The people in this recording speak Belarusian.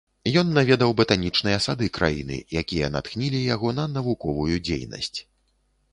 Ён наведаў батанічныя сады краіны, якія натхнілі яго на навуковую дзейнасць.